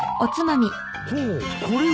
ほうこれは。